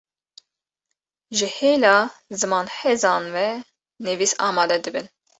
ji hêla zimanhezan ve nivîs amade dibin